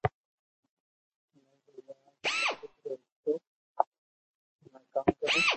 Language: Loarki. اي مي بي راز مالڪ رو ھمو ڪاو ڪرو